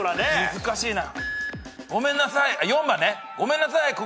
難しいな。